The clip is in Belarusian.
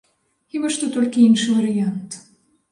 Хіба што толькі іншы варыянт.